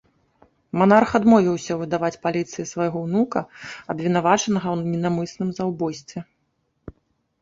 Манарх адмовіўся выдаваць паліцыі свайго ўнука, абвінавачанага ў ненаўмысным забойстве.